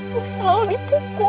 gue selalu dipukul